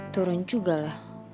turun juga lah